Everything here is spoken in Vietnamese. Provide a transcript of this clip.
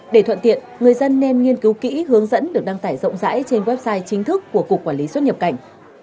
để thuận tiện người dân nên nghiên cứu kỹ hướng dẫn được đăng tải rộng rãi trên website chính thức của cục quản lý xuất nhập cảnh